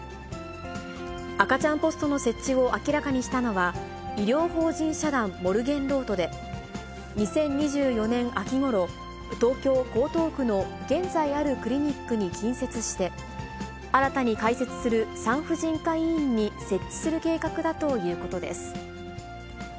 赤ちゃんポストの設置を明らかにしたのは、医療法人社団モルゲンロートで、２０２４年秋ごろ、東京・江東区の現在あるクリニックに近接して、新たに開設する産婦人科医院に設置する計画だということです。